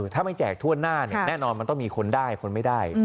ถ้าไม่แจกทั่วหน้าแน่นอนมันต้องมีคนได้คนไม่ได้